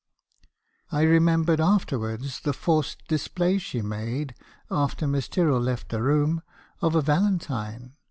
"I remembered afterwards the forced display she made, after Miss Tyrrell left the room, of a valentine.